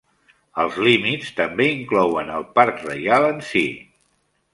Els límits també inclouen el Parc reial en si.